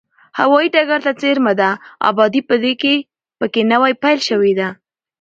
هوایي ډګر ته څېرمه ده، ابادي په کې نوې پیل شوې ده.